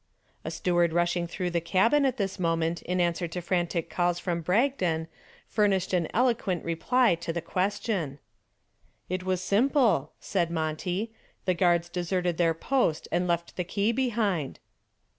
A steward rushing through the cabin at this moment in answer to frantic calls from Bragdon furnished an eloquent reply to the question. "It was simple," said Monty. "The guards deserted their post and left the key behind."